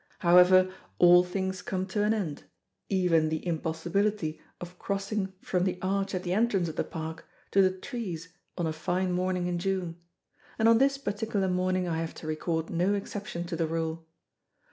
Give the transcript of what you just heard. However, all things come to an end, even the impossibility of crossing from the arch at the entrance of the Park to the trees on a fine morning in June, and on this particular morning I have to record no exception to the rule.